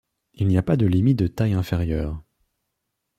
Il n'y a pas de limite de taille inférieure.